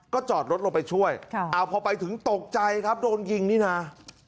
จอดรถลงไปช่วยพอไปถึงตกใจครับโดนยิงนี่นะ